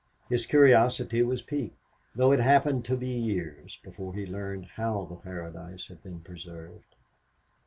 His curiosity was piqued, though it happened to be years before he learned how the Paradise had been preserved.